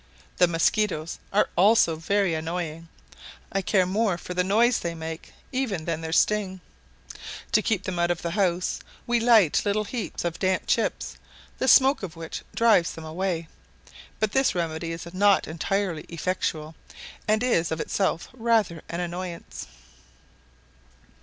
The mosquitoes are also very annoying. I care more for the noise they make even than their sting. To keep them out of the house we light little heaps of damp chips, the smoke of which drives them away; but this remedy is not entirely effectual, and is of itself rather an annoyance.